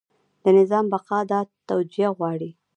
د نظام بقا دا توجیه غواړي.